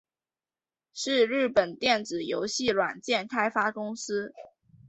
是日本电子游戏软体开发公司。